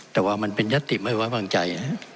แต่ว่ามันเป็นยัตติไม่ไว้วางใจ